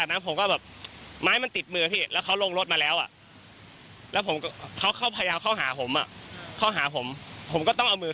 อ๋อเขาเดินเข้ามาหาเหรอ